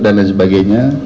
dan lain sebagainya